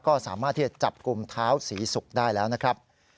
ก็สามารถที่จะจับกลุ่มเท้าศรีศุกร์ได้แล้วนะครับ